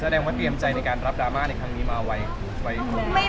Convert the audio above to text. แสดงว่าเตรียมใจในการรับดราม่าในครั้งนี้มาไว้